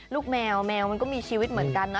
ลูกแมวแมวมันก็มีชีวิตเหมือนกันนะ